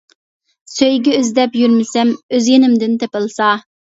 سۆيگۈ ئىزدەپ يۈرمىسەم، ئۆز يېنىمدىن تېپىلسا.